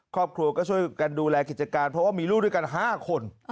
ครอบครัวก็ช่วยกันดูแลกิจการเพราะว่ามีลูกด้วยกัน๕คน